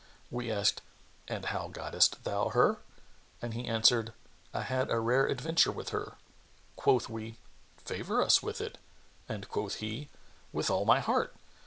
We asked, "And how gottest thou her?" and he answered, "I had a rare adventure with her." Quoth we, "Favour us with it;" and quoth he, "With all my heart!